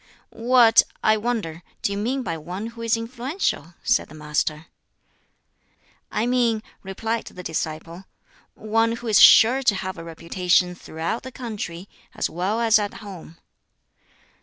"What, I wonder, do you mean by one who is influential?" said the Master. "I mean," replied the disciple, "one who is sure to have a reputation throughout the country, as well as at home."